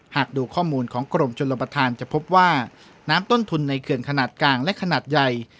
หากดูข้อมูลของกรมชนประธานจะพบว่าน้ำต้นทุนในเขื่อนขนาดกลางและขนาดใหญ่